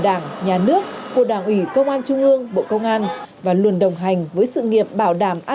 đảng nhà nước của đảng ủy công an trung ương bộ công an và luôn đồng hành với sự nghiệp bảo đảm an